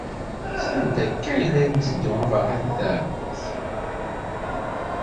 Sanda akka ay la netteddu a Ferḥat n At Ɛebbas?